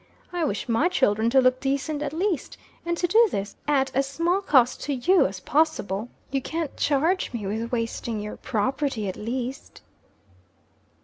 I wish my children to look decent at least; and to do this at as small cost to you as possible. You can't change me with wasting your property, at least."